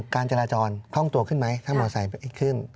การจราจรข้องตัวขึ้นไหมถ้ามอสัยไม่ขึ้น